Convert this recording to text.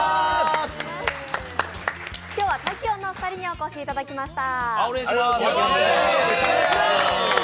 今日は滝音のお二人にお越しいただきました。